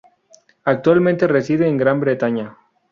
Actualmente reside en Gran Bretaña.